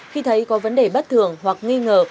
khi thấy có vấn đề bất thường hoặc nghi ngờ